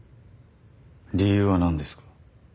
理由は何ですか？